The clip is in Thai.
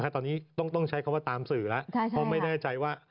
ตอนนี้ต้องใช้คำว่าตามสื่อแล้วเพราะไม่แน่ใจว่า